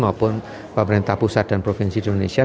maupun pemerintah pusat dan provinsi di indonesia